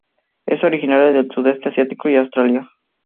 Es originaria del Sudeste Asiático y Australia.